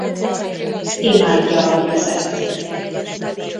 Imádja a vizet.